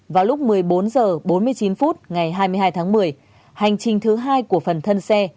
vào lúc một mươi bốn h bốn mươi chín phút ngày hai mươi hai tháng một mươi hành trình thứ hai của phần thân xe